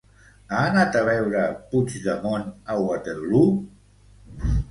Ha anat a veure Puigdemont a Waterloo?